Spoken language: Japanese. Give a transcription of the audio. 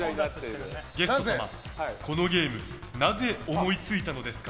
ゲスト様、このゲームなぜ思いついたのですか？